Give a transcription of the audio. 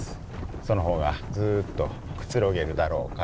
その方がずっとくつろげるだろうからと。